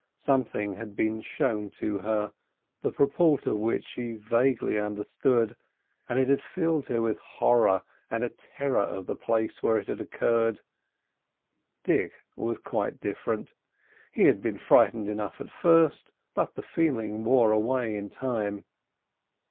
Something had been shown to her, the purport of which she vaguely understood, and it had filled her with horror and a terror of the place where it had occurred. Dick was quite different. He had been frightened enough at first; but the feeling wore away in time.